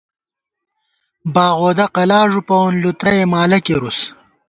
باغ وودہ قلا ݫُوپَوون ، لُترَئے مالہ کېرُوس